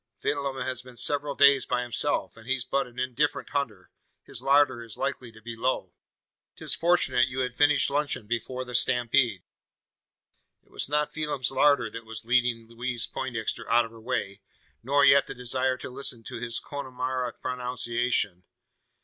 Phelim has been several days by himself, and as he's but an indifferent hunter, his larder is likely to be low. 'Tis fortunate you had finished luncheon before the stampede." It was not Phelim's larder that was leading Louise Poindexter out of her way, nor yet the desire to listen to his Connemara pronunciation.